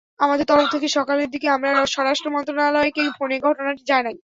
আমাদের তরফ থেকে সকালের দিকে আমরা স্বরাষ্ট্র মন্ত্রণালয়কে ফোনে ঘটনাটি জানাই।